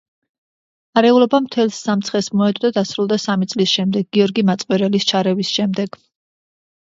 არეულობა მთელს სამცხეს მოედო და დასრულდა სამი წლის შემდეგ გიორგი მაწყვერელის ჩარევის შემდეგ.